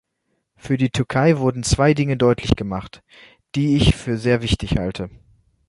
Für die Türkei wurden zwei Dinge deutlich gemacht, die ich für sehr wichtig halte.